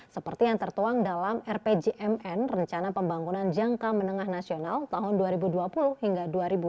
seperti yang tertuang dalam rpjmn rencana pembangunan jangka menengah nasional tahun dua ribu dua puluh hingga dua ribu dua puluh